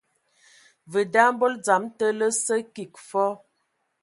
Vǝ da mbol dzam te lǝ sǝ kig fɔɔ.